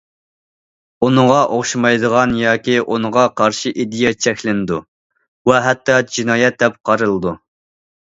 ئۇنىڭغا ئوخشىمايدىغان ياكى ئۇنىڭغا قارشى ئىدىيە چەكلىنىدۇ ۋە ھەتتا جىنايەت دەپ قارىلىدۇ.